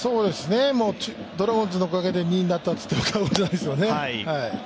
もうドラゴンズのおかげで２位になったといっても、過言じゃないですね。